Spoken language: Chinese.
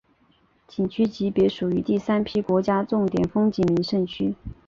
景区级别属于第三批国家重点风景名胜区。